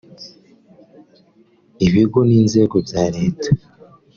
ibigo n’inzego bya Leta